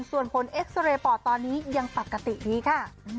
ส่วนผลเอ็กซาเรย์ปอดตอนนี้ยังปกติดีค่ะ